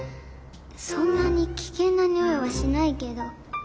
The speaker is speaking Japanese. そんなに危険なニオイはしないけど。